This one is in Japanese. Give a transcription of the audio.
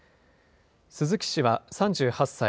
鈴木氏は３８歳。